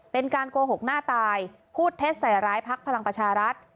เป็นการโกหกหน้าตายพูดเท็จใส่ร้ายพักพลังประชารัฐ